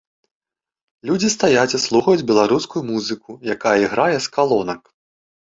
Людзі стаяць і слухаюць беларускую музыку, якая іграе з калонак.